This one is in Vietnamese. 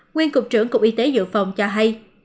nguyên cục trưởng cục y tế dự phòng cho hay